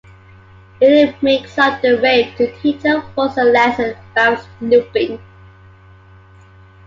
Lily makes up the rave to teach her folks a lesson about snooping.